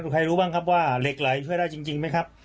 ใครรู้บ้างครับว่าเหล็กไหลช่วยได้จริงไหมครับ